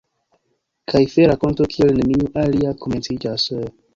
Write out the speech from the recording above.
Kaj fe-rakonto kiel neniu alia komenciĝas...